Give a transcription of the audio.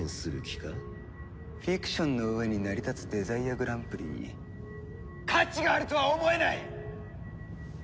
フィクションの上に成り立つデザイアグランプリに価値があるとは思えない！